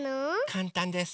かんたんです。